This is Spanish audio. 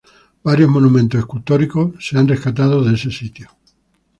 Varios monumentos escultóricos han sido rescatados de este sitio.